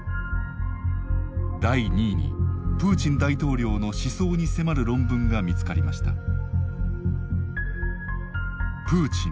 第２位にプーチン大統領の思想に迫る論文が見つかりました。